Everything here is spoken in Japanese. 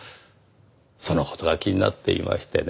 その事が気になっていましてね。